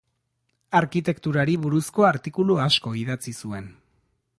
Arkitekturari buruzko artikulu asko idatzi zuen.